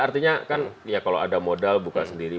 artinya kan ya kalau ada modal buka sendiri